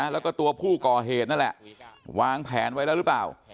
แล้วก็ตัวผู้ก่อเหตุนั่นแหละวางแผนไว้แล้วหรือเปล่า